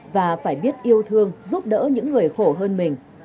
và phải biết yêu thương giúp đỡ những người khổ hơn mình